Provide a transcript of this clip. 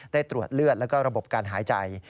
ตรวจเลือดแล้วก็ระบบการหายใจ